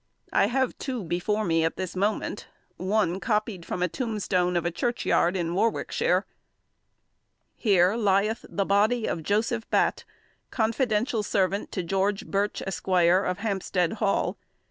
I have two before me at this moment; one copied from a tombstone of a churchyard in Warwickshire: "Here lieth the body of Joseph Batte, confidential servant to George Birch, Esq. of Hampstead Hall.